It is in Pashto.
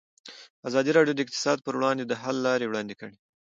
ازادي راډیو د اقتصاد پر وړاندې د حل لارې وړاندې کړي.